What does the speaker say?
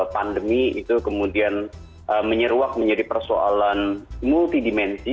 pandemi itu kemudian menyeruak menjadi persoalan multidimensi